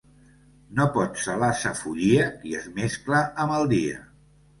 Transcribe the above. No pot celar sa follia qui es mescla amb el dia.